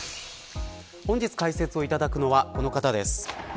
本日解説をいただくのはこの方です。